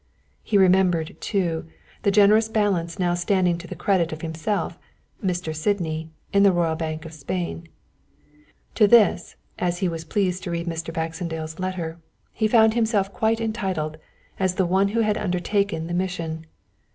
He remembered, too, the generous balance now standing to the credit of himself, Mr. Sydney, in the Royal Bank of Spain. To this, as he was pleased to read Mr. Baxendale's letter, he felt himself quite entitled, as the one who had undertaken the mission.